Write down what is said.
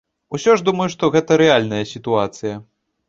Усё ж думаю, што гэта рэальная сітуацыя.